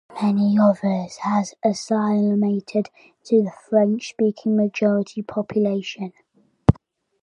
Many others have assimilated into the French-speaking majority population.